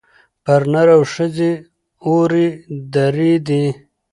پر نر او ښځي اوري دُرې دي